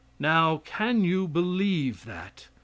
Now, can you believe that?